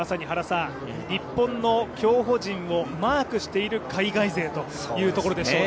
日本の競歩陣をマークしている海外勢というところでしょう。